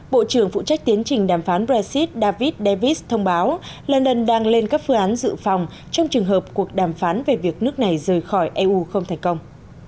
bộ trưởng phụ trách tiến trình đàm phán brexit david davis thông báo lenan đang lên các phương án dự phòng trong trường hợp cuộc đàm phán về việc nước này rời khỏi eu không thành công